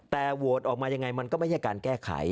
แต่โวทน์ออกจะไม่ใช่การแก้ไข